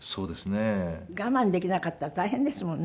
我慢できなかったら大変ですもんね。